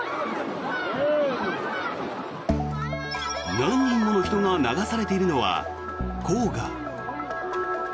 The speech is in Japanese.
何人もの人が流されているのは黄河。